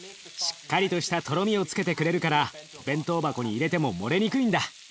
しっかりとしたとろみをつけてくれるから弁当箱に入れても漏れにくいんだ。